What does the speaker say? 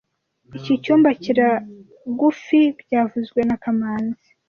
Iki cyumba kiragufi byavuzwe na kamanzi